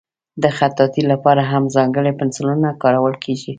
د خطاطۍ لپاره هم ځانګړي پنسلونه کارول کېږي.